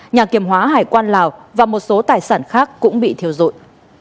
nhà kiểm hóa hải quan lào và một số tài sản khác cũng bị thiêu rụi